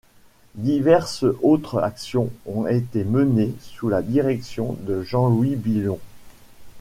Diverses autres actions ont été menées sous la direction de Jean-Louis Billon.